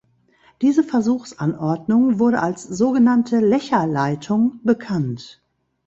Diese Versuchsanordnung wurde als sogenannte Lecher-Leitung bekannt.